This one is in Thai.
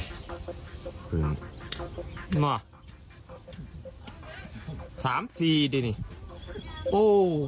สามสี่ดินี่โอ้